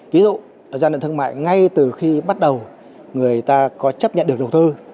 ví dụ gian lận thương mại ngay từ khi bắt đầu người ta có chấp nhận được đầu tư